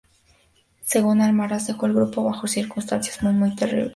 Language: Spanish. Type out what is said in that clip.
Según Almaraz, "dejó el grupo bajo circunstancias muy, muy terribles.